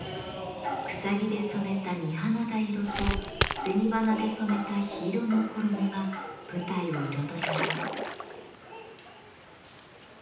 草木で染めた水縹色と紅花で染めた緋色の衣が舞台を彩ります。